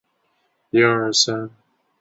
还曾面对红袜时击出满贯炮。